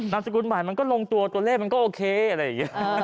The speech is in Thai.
สกุลใหม่มันก็ลงตัวตัวเลขมันก็โอเคอะไรอย่างนี้